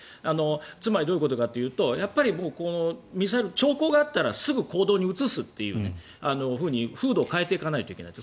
つまり、どういうことかというとミサイル、兆候があったらすぐに行動に移すというふうに風土を変えていかないといけない。